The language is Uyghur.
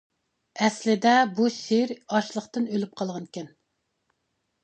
ئەسلىدە بۇ شىر ئاچلىقتىن ئۆلۈپ قالغانىكەن.